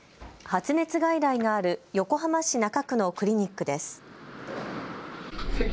発熱外来がある横浜市中区のクリニックです。